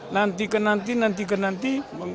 nanti ke nanti nanti ke nanti